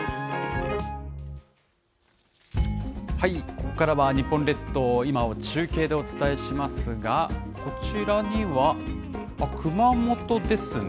ここからは日本列島、今を中継でお伝えしますが、こちらには、熊本ですね。